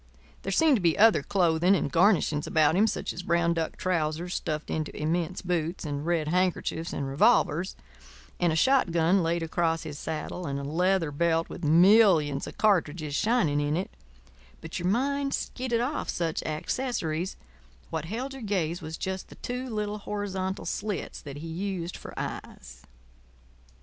There seemed to be other clothing and garnishings about him, such as brown duck trousers stuffed into immense boots, and red handkerchiefs and revolvers; and a shotgun laid across his saddle and a leather belt with millions of cartridges shining in it—but your mind skidded off such accessories; what held your gaze was just the two little horizontal slits that he used for eyes.